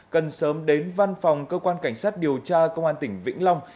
cần sớm đến văn phòng cơ quan cảnh sát điều tra công an tỉnh vĩnh long